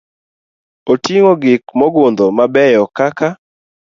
Oting'o gik mogundho mabeyo kaka